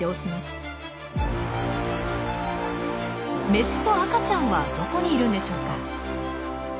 メスと赤ちゃんはどこにいるんでしょうか。